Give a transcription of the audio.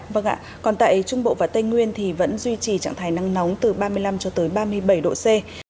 vâng ạ còn tại trung bộ và tây nguyên thì vẫn duy trì trạng thái nắng nóng từ ba mươi năm cho tới ba mươi bảy độ c